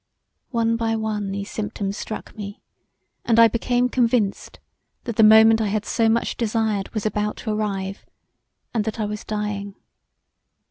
One by one these symptoms struck me; & I became convinced that the moment I had so much desired was about to arrive and that I was dying.